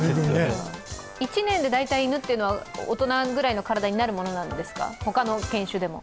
１年で犬というのは、大人ぐらいの体になるものなんですか他の犬種でも。